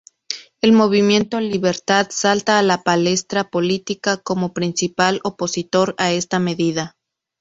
El Movimiento Libertad salta a la palestra política, como principal opositor a esta medida.